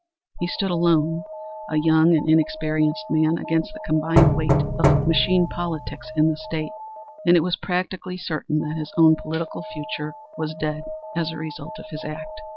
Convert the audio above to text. He stood alone, a young and inexperienced man, against the combined weight of machine politics in the state, and it was practically certain that his own political future was dead as a result of his act.